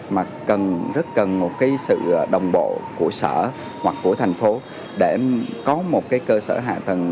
mà rất cần một cái sự đồng bộ của sở hoặc của thành phố để có một cái cơ sở hạ tầng